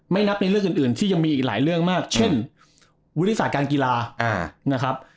ไม่นับในเรื่องอื่นที่ยังมีอีกหลายเรื่องมากเช่นวิทยาศาสตร์การกีฬา